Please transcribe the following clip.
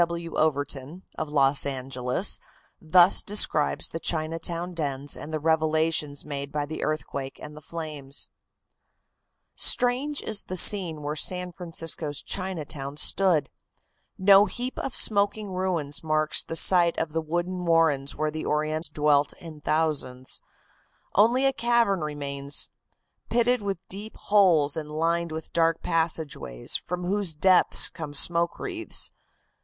W. W. Overton, of Los Angeles, thus describes the Chinatown dens and the revelations made by the earthquake and the flames: "Strange is the scene where San Francisco's Chinatown stood. No heap of smoking ruins marks the site of the wooden warrens where the Orientals dwelt in thousands. Only a cavern remains, pitted with deep holes and lined with dark passageways, from whose depths come smoke wreaths.